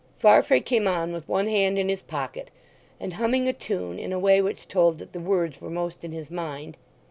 Farfrae came on with one hand in his pocket, and humming a tune in a way which told that the words were most in his mind.